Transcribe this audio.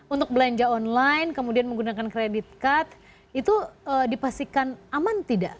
untuk belanja online kemudian menggunakan kredit card itu dipastikan aman tidak